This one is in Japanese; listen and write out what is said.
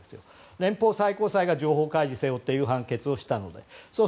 連邦最高裁が情報開示せよという判決をしたんです。